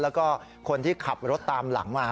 แล้วก็คนที่ขับรถตามหลังมา